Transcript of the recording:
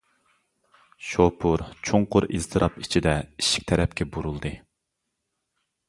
شوپۇر چوڭقۇر ئىزتىراپ ئىچىدە ئىشىك تەرەپكە بۇرۇلدى.